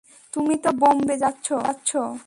তুমি তো বোম্বে যাচ্ছো।